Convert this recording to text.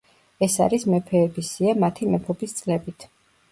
ეს არის მეფეების სია მათი მეფობის წლებით.